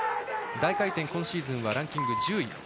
大回転、今シーズンはランキング１０位。